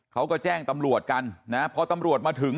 เขาก็แจ้งตำรวจกันนะพอตำรวจมาถึง